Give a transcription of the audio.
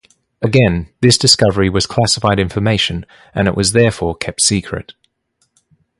Again, this discovery was classified information and it was therefore kept secret.